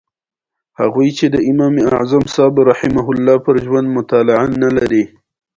کوچنۍ کښتۍ له لارې د سیند دواړو غاړو ته تګ راتګ کوي